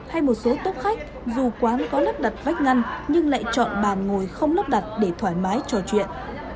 hay một số tốc khách dù quán có lắp đặt vách ngăn nhưng lại chọn bàn ngồi không lắp đặt để thoải mái trò chuyện